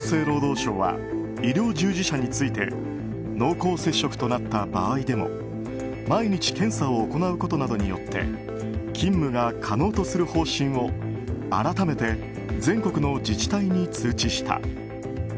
厚生労働省は医療従事者について濃厚接触となった場合でも毎日検査を行うことなどによって勤務が可能とする方針を改めて全国の自治体に通知した。